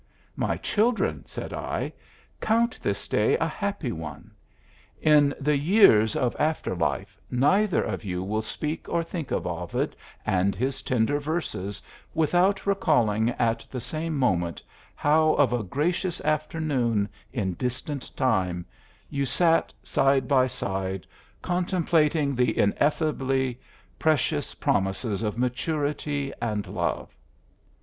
"My children," said I, "count this day a happy one. In the years of after life neither of you will speak or think of Ovid and his tender verses without recalling at the same moment how of a gracious afternoon in distant time you sat side by side contemplating the ineffably precious promises of maturity and love."